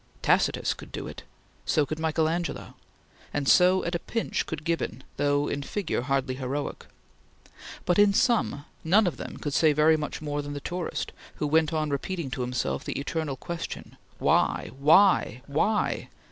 Tacitus could do it; so could Michael Angelo; and so, at a pinch, could Gibbon, though in figure hardly heroic; but, in sum, none of them could say very much more than the tourist, who went on repeating to himself the eternal question: Why! Why!!